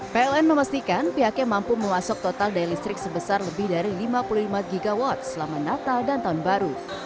pln memastikan pihaknya mampu memasok total daya listrik sebesar lebih dari lima puluh lima gw selama natal dan tahun baru